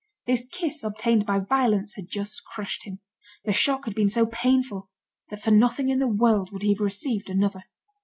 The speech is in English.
This kiss obtained by violence had just crushed him. The shock had been so painful, that for nothing in the world would he have received another.